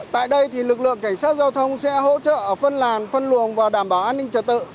tại đây lực lượng cảnh sát giao thông sẽ hỗ trợ phân làn phân luồng và đảm bảo an ninh trật tự